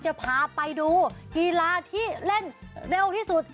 จะพาไปดูกีฬาที่เล่นเร็วที่สุด